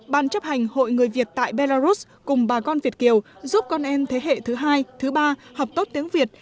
ban chấp hành hội người việt tại belarus cùng bà con việt kiều giúp con em thế hệ thứ hai thứ ba học tốt tiếng việt